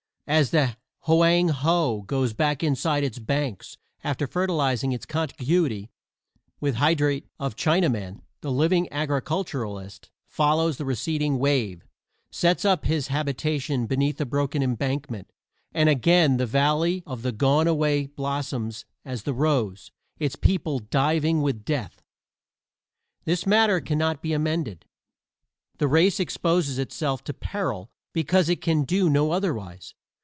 As the Hoang Ho goes back inside its banks after fertilizing its contiguity with hydrate of China man the living agriculturist follows the receding wave, sets up his habitation beneath the broken embankment, and again the Valley of the Gone Away blossoms as the rose, its people diving with Death. This matter can not be amended: the race exposes itself to peril because it can do no otherwise.